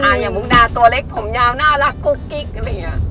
เอ้ออย่างมุงดาตัวเล็กผมยาวน่ารักกุ๊กกิ๊กไง